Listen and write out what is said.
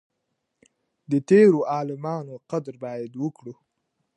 د تيرو عالمانو قدر بايد وکړو.